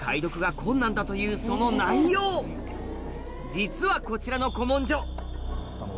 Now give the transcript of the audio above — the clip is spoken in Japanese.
実はこちらの古文書あぁ